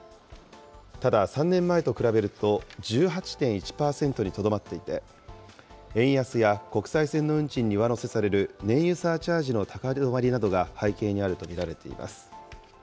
ただ、３年前と比べると、１８．１％にとどまっていて、円安や国際線の運賃に上乗せされる燃油サーチャージの高止まりなどが、背景にあると見られています。